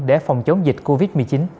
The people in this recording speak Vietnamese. để phòng chống dịch covid một mươi chín